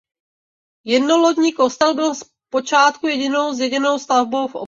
Jednolodní kostel byl v počátku jedinou zděnou stavbou v obci.